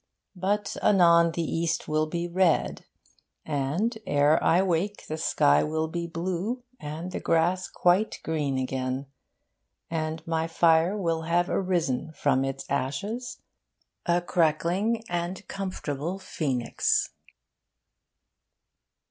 But anon the east will be red, and, ere I wake, the sky will be blue, and the grass quite green again, and my fire will have arisen from its ashes, a cackling and comfortable phoenix.